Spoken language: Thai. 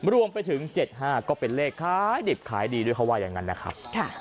รวมไปถึง๗๕ก็เป็นเลขขายดิบขายดีด้วยเขาว่าอย่างนั้นนะครับ